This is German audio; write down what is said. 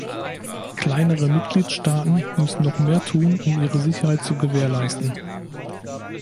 Kleinere Mitgliedstaaten müssen noch mehr tun, um ihre Sicherheit zu gewährleisten.